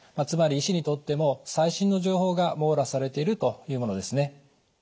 つまり医師にとっても最新の情報が網羅されているというものですね。